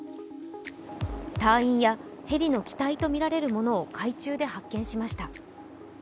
隊員やヘリの機体とみられるるものを海中で発見しました。